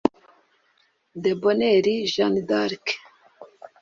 De Bonheur Jeanne d’Arc